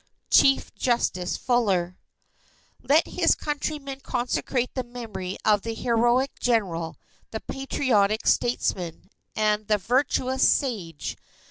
Chief Justice Fuller Let his countrymen consecrate the memory of the heroic General, the patriotic Statesman, and the virtuous sage.